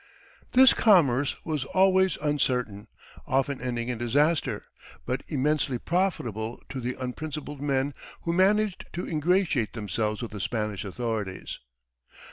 This commerce was always uncertain, often ending in disaster, but immensely profitable to the unprincipled men who managed to ingratiate themselves with the Spanish authorities.